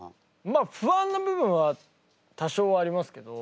まあ不安な部分は多少ありますけど。